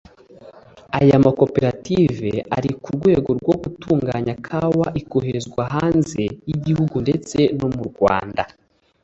Aya makoperative ari ku rwego rwo gutunganya kawa ikoherezwa hanze y’igihugu ndetse no mu Rwanda